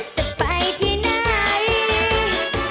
จะไปที่ไหน